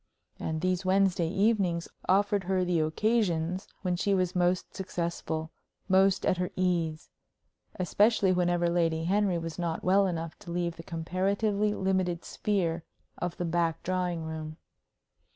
And these Wednesday evenings offered her the occasions when she was most successful, most at her ease especially whenever Lady Henry was not well enough to leave the comparatively limited sphere of the back drawing room.